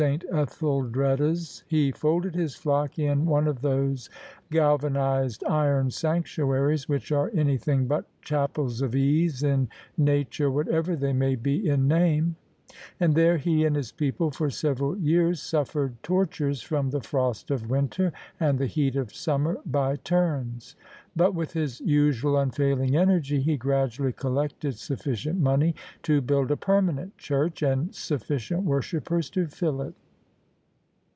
Ethddreda's, he folded his flock in one of those galvanised iron sanctuaries which are anything but chapels of ease in nature whatever they may be in name: and there he and his people for several years suffered tor tures from the frost of winter and the heat of sunmier by turns. But, with his usual unfailing energy, he gradually collected suBScient mon^ to build a permanent church, and sufficient worshippers to fill it.